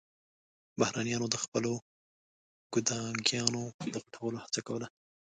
بهرنيانو د خپلو ګوډاګيانو د غټولو هڅه کوله.